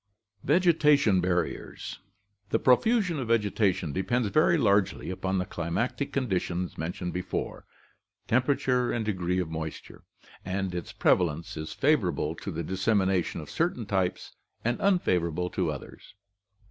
Vegetative Barriers. — The profusion of vegetation depends very largely upon the climatic conditions mentioned above — temperature and degree of moisture — and its prevalence is fa vorable to the dissemination of certain types and unfavor able to others.